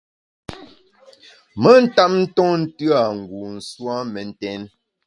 Me ntap ntonte a ngu nsù a mentèn.